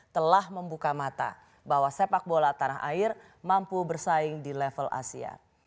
telah membuka mata bahwa sepak bola tanah air mampu bersaing di level asia